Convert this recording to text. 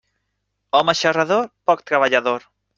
Home xarrador, poc treballador.